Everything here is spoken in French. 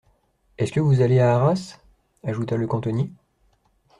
Est-ce que vous allez à Arras ? ajouta le cantonnier.